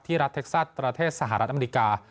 ที่รัฐเท็กซัตริ์ประเทศสหรัฐอเมริกา